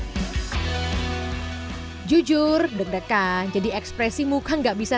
jujur deg degan jadi ekspresi muka nggak bisa sepatu yang penting jujur deg degan jadi ekspresi muka nggak bisa